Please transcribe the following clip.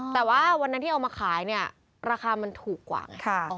แต่ว่าวันนั้นที่เอามาขายเนี่ยราคามันถูกกว่าไง